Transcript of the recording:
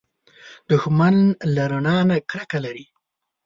دښمن له رڼا نه کرکه لري